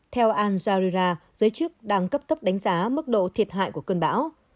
theo alzarira giới chức đang cấp cấp đánh giá mức độ thiệt hại của cơn bão